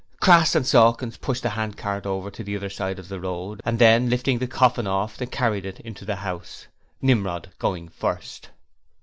Crass and Sawkins pushed the handcart over to the other side of the road and then, lifting the coffin off, they carried it into the house, Nimrod going first.